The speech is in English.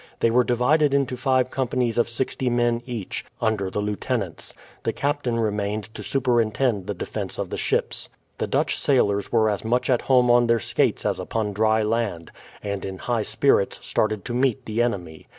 They were divided into five companies of sixty men each, under the lieutenants; the captain remained to superintend the defence of the ships. The Dutch sailors were as much at home on their skates as upon dry land, and in high spirits started to meet the enemy.